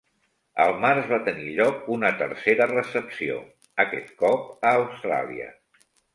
Al març va tenir lloc una tercera recepció, aquest cop a Austràlia.